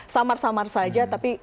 samar samar saja tapi